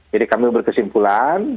jadi kami berkesimpulan